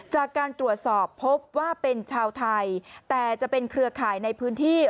จากการตรวจสอบพบว่าเป็นชาวไทยแต่จะเป็นเครือข่ายในพื้นที่